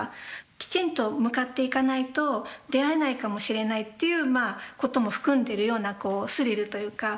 きちんと向かっていかないと出会えないかもしれないということも含んでるようなスリルというか。